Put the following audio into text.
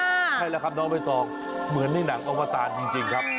ใช่แล้วครับน้องใบตองเหมือนในหนังอวตารจริงครับ